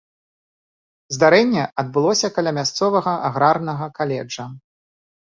Здарэнне адбылося каля мясцовага аграрнага каледжа.